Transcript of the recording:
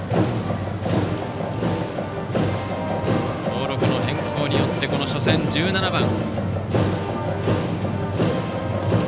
登録変更によってこの初戦、１７番。